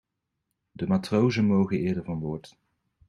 De matrozen mogen eerder van boord.